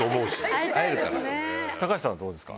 高橋さん、どうですか。